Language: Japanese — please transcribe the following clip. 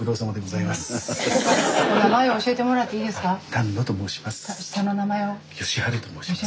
丹野と申します。